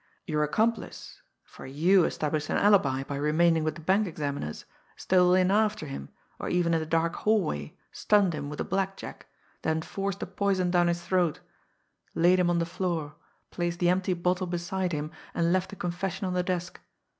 Your accomplice, for you established an alibi by remaining with the bank examiners, stole in after him, or even in the dark hallway stunned him with a black jack, then forced the poison down his throat, laid him on the floor, placed the empty bottle beside him, and left the confession on the desk.